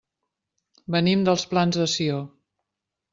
Venim dels Plans de Sió.